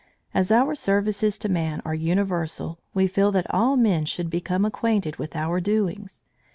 As our services to man are universal, we feel that all men should become acquainted with our doings.